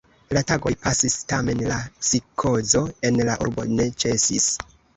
La tagoj pasis, tamen la psikozo en la urbo ne ĉesis.